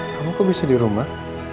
kamu kok bisa di rumah